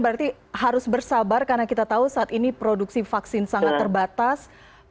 berarti harus bersabar karena kita tahu saat ini produksi vaksin sangat terbatas